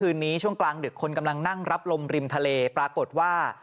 คืนนี้ช่วงกลางดึกคนกำลังนั่งรับลมริมทะเลปรากฏว่า